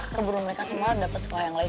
keburu mereka semua dapat sekolah yang lain